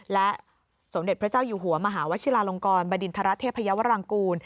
และสมเด็จพระเจ้าอยู่หัวมหาวชิลาลงกรบดินทรเทพยาวรังกูล